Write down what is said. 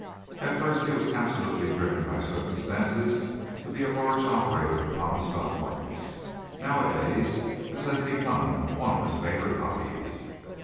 At first he was absolutely driven by circumstances to be a large operator upon the stock markets. Nowadays, this has become one of his favourite hobbies."